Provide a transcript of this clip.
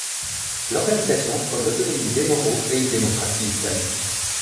L'organisation prône l'autonomie des Moros et une démocratie islamique.